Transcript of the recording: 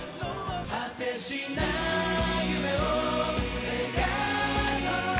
「果てしない夢を描こう」